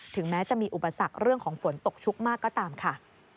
แม้จะมีอุปสรรคเรื่องของฝนตกชุกมากก็ตามค่ะ